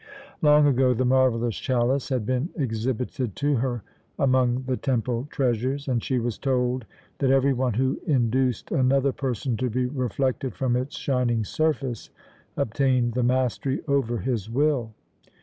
Long ago the marvellous chalice had been exhibited to her among the temple treasures, and she was told that every one who induced another person to be reflected from its shining surface obtained the mastery over his will.